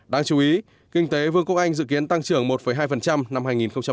đáng chú ý kinh tế vương quốc anh dự kiến tăng trưởng một hai năm hai nghìn hai mươi